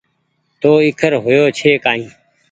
تو ايکر هيو ڇي ڪآئي